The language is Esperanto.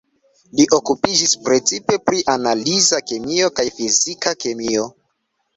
Li okupiĝis precipe pri analiza kemio kaj fizika kemio.